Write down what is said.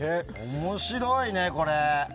面白いね、これ。